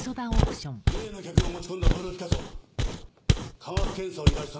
例の客が持ち込んだブルーピカソ科学検査を依頼したのは本当か？